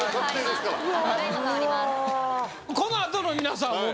このあとの皆さん